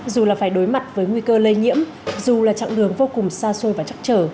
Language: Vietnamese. dù là phải đối mặt với nguy cơ lây nhiễm dù là chặng đường vô cùng xa xôi và chắc trở